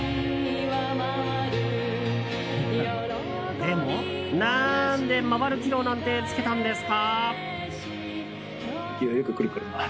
でも、何で回る機能なんてつけたんですか？